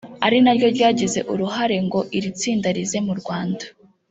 ari naryo ryagize uruhare ngo iri tsinda rize mu Rwanda